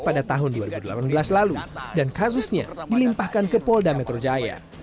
pada tahun dua ribu delapan belas lalu dan kasusnya dilimpahkan ke polda metro jaya